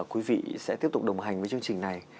quý vị sẽ tiếp tục đồng hành với chương trình này